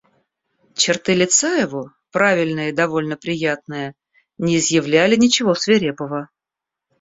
Черты лица его, правильные и довольно приятные, не изъявляли ничего свирепого.